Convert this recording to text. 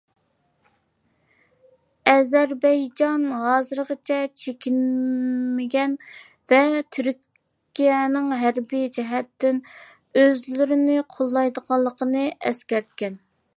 ئەزەربەيجان ھازىرغىچە چېكىنمىگەن ۋە تۈركىيەنىڭ ھەربىي جەھەتتىن ئۆزلىرىنى قوللايدىغانلىقىنى ئەسكەرتكەن.